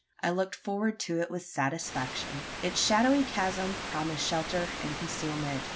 I looked forward to it with satisfaction. Its shadowy chasm promised shelter and concealment.